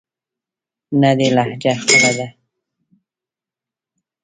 نه دې لهجه خپله ده.